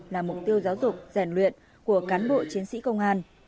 là mục tiêu giáo dục rèn luyện của cán bộ chiến sĩ công an